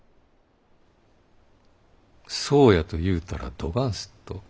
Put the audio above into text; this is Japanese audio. そうやと言うたらどがんすっと？